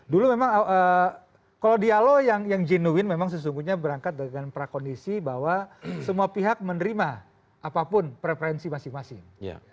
dulu memang kalau dialog yang genuin memang sesungguhnya berangkat dengan prakondisi bahwa semua pihak menerima apapun preferensi masing masing